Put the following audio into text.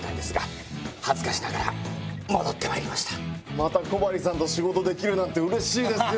また古張さんと仕事できるなんてうれしいですよ。